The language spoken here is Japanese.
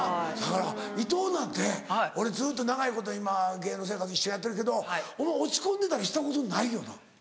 だからいとうなんて俺ずっと長いこと今芸能生活一緒にやってるけどお前落ち込んでたりしたことないよな？